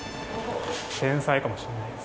天才かもしれないです。